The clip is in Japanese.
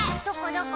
どこ？